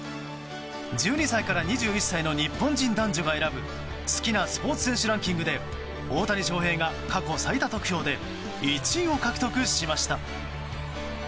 １２歳から２１歳の日本人男女が選ぶ好きなスポーツ選手ランキングで大谷翔平が過去最多得票で１位を獲得しました。